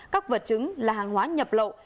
các vật chứng là hàng hóa nhập lậu